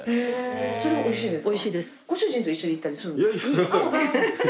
それがおいしいんですか？